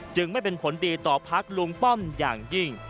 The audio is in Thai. ไม่เป็นผลดีต่อพักลุงป้อมอย่างยิ่ง